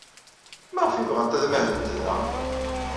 Maɣef ay bɣant ad mahlent da?